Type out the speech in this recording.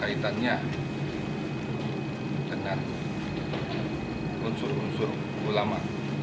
kaitannya dengan unsur unsur ulama